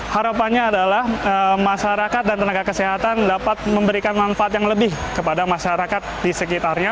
harapannya adalah masyarakat dan tenaga kesehatan dapat memberikan manfaat yang lebih kepada masyarakat di sekitarnya